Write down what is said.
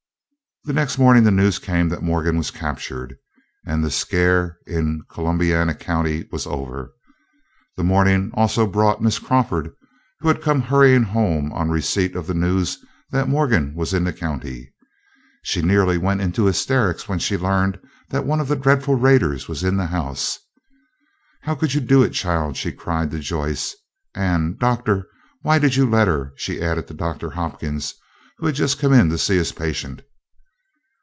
The next morning the news came that Morgan was captured, and the scare in Columbiana County was over. The morning also brought Miss Crawford, who had come hurrying home on receipt of the news that Morgan was in the county. She nearly went into hysterics when she learned that one of the dreadful raiders was in the house. "How could you do it, child?" she cried to Joyce; and "Doctor, why did you let her?" she added to Doctor Hopkins, who had just come in to see his patient.